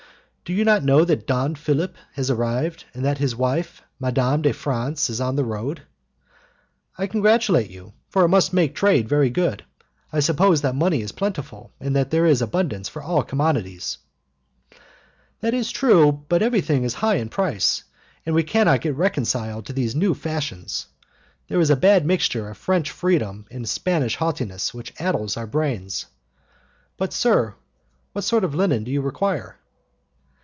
"Do you not know that Don Philip has arrived, and that his wife, Madame de France, is on the road?" "I congratulate you, for it must make trade very good. I suppose that money is plentiful, and that there is abundance of all commodities." "That is true, but everything is high in price, and we cannot get reconciled to these new fashions. They are a bad mixture of French freedom and Spanish haughtiness which addles our brains. But, sir, what sort of linen do you require?"